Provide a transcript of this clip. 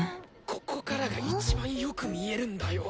ここからがいちばんよく見えるんだよ！